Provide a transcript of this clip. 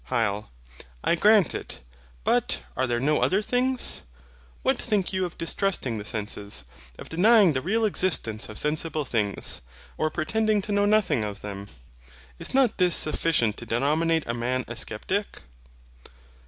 HYL. I grant it. But are there no other things? What think you of distrusting the senses, of denying the real existence of sensible things, or pretending to know nothing of them. Is not this sufficient to denominate a man a SCEPTIC?